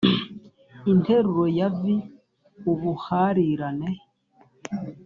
interuro ya vi ubuharirane